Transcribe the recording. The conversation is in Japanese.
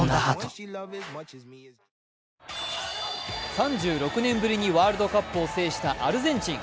３６年ぶりにワールドカップを制したアルゼンチン。